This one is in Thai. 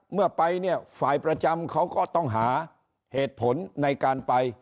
เมื่อไปเนี่ยฝ่ายประจำเขาก็ต้องหาเหตุผลในการไป